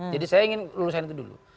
jadi saya ingin lulusan itu dulu